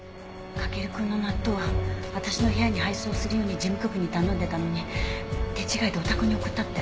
翔くんの納豆は私の部屋に配送するように事務局に頼んでたのに手違いでお宅に送ったって。